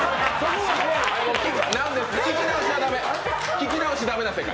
聞き直し駄目な世界。